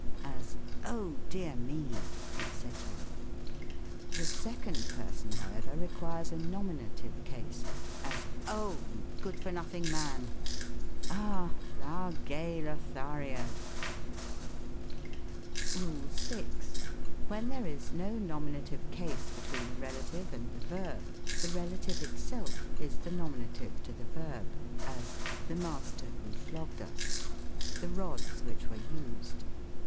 as, " Oh ! dear me," &c. The second person, however, requires a nominative case : as, " Oh ! you good for.nothing man !"" Ah ! thou gay Lothario !" "Oh! you good for nothing man.' SYNTAX. 85 RULE VI. When there is no nominative case between the rel ative and the verb, the relative itself is the nominative to the verb : as, " The master who flogged us." " The rods which were used."